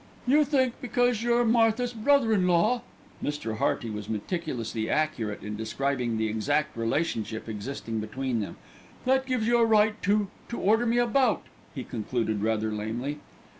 "You think because you're Martha's brother in law," Mr. Hearty was meticulously accurate in describing the exact relationship existing between them, "that gives you a right to to order me about," he concluded rather lamely.